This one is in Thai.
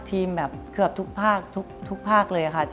ทีมแบบเกือบทุกภาคทุกภาคเลยค่ะ